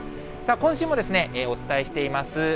今週もお伝えしています